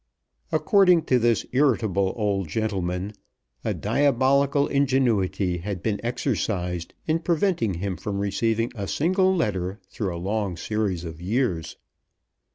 According to this irritable old gentleman, a diabolical ingenuity had been exercised in preventing him from receiving a single letter through a long series of years.